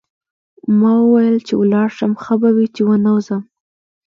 ما وویل چې ولاړ شم ښه به وي چې ونه ځم.